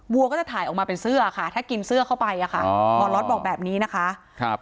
วัวก็จะถ่ายออกมาเป็นเสื้อค่ะถ้ากินเสื้อเข้าไปอ่ะค่ะอ๋อหมอล็อตบอกแบบนี้นะคะครับ